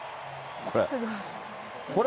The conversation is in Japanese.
これ。